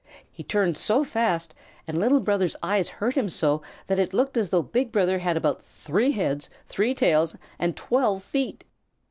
He turned so fast and Little Brother's eyes hurt him so that it looked as though Big Brother had about three heads, three tails, and twelve feet.